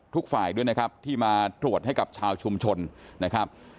ทุกฝ่ายด้วยนะครับที่มาตรวจให้กับชาวชุมชนนะครับ